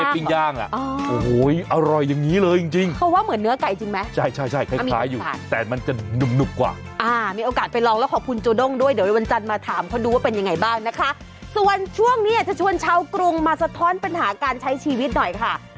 เพื่อนชาวกรุงมาสะท้อนปัญหาการใช้ชีวิตหน่อยค่ะ